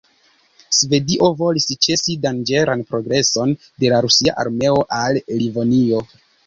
Svedio volis ĉesi danĝeran progreson de la rusia armeo al Livonio.